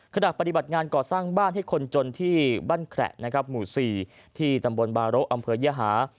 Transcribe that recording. ขณะปฏิบัติงานก่อสร้างบ้านให้คนจนที่บ้านแขละนะครับหมู่๔ที่ตำบลบาโรอำเภอยหา